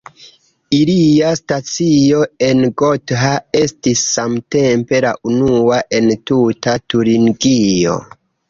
Ilia stacio en Gotha estis samtempe la unua en tuta Turingio.